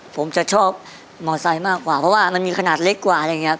ผมจะชอบมอไซค์มากกว่าเพราะว่ามันมีขนาดเล็กกว่าอะไรอย่างนี้